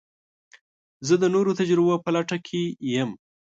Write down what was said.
زه د نوو تجربو په لټه کې یم.